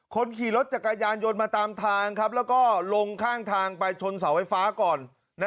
คนขี่รถจักรยานยนต์มาตามทางแล้วก็ลงข้างทางไปชนเสาไฟฟ้าก่อน